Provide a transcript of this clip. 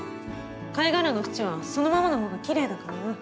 貝殻のフチはそのままの方がきれいだからな。